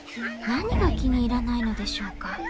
何が気に入らないのでしょうか。